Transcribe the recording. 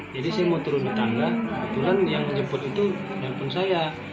jadi saya mau turun ke tangga kebetulan yang menyebut itu jantung saya